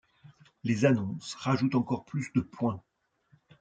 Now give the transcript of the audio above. Les Annonces rajoutent encore plus de points.